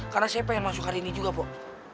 karena saya pengen masuk hari ini juga pak